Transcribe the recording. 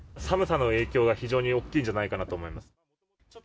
寒さの影響が非常に大きいんじゃないかなと思います。